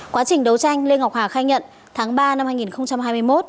quá trình đấu tranh lê ngọc hà khai nhận tháng ba năm hai nghìn hai mươi một